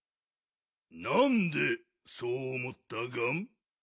なんでそうおもったガン？